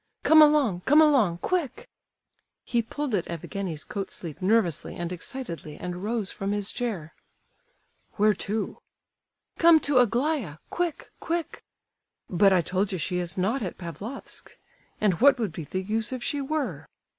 Come along, come along—quick!" He pulled at Evgenie's coat sleeve nervously and excitedly, and rose from his chair. "Where to?" "Come to Aglaya—quick, quick!" "But I told you she is not at Pavlofsk. And what would be the use if she were?"